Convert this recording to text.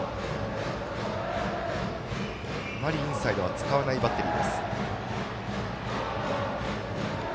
あまりインサイドは使わないバッテリーです。